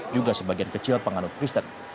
juga sebagian kecil penganut kristen